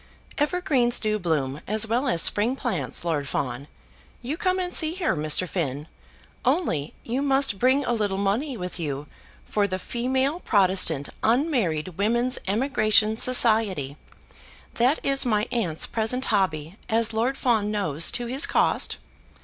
"Evergreens do bloom, as well as spring plants, Lord Fawn. You come and see her, Mr. Finn; only you must bring a little money with you for the Female Protestant Unmarried Women's Emigration Society. That is my aunt's present hobby, as Lord Fawn knows to his cost."